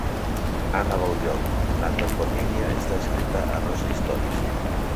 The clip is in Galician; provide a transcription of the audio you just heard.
Ana Boullón: "Na toponimia está escrita a nosa historia".